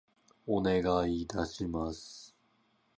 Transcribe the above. お願い致します。